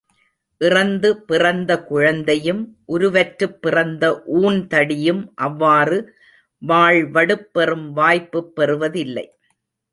இறந்து பிறந்த குழந்தையும், உருவற்றுப் பிறந்த ஊன்தடியும் அவ்வாறு வாள் வடுப்பெறும் வாய்ப்புப் பெறுவதில்லை.